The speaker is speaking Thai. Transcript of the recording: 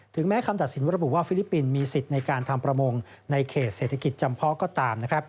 แม้คำตัดสินว่าระบุว่าฟิลิปปินส์มีสิทธิ์ในการทำประมงในเขตเศรษฐกิจจำเพาะก็ตาม